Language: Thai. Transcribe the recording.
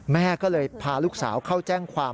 แม่ก็เลยพาลูกสาวเข้าแจ้งความ